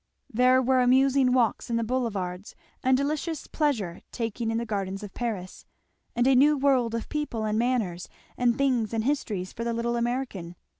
There were amusing walks in the Boulevards, and delicious pleasure taking in the gardens of Paris, and a new world of people and manners and things and histories for the little American.